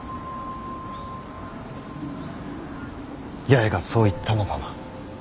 八重がそう言ったのだな。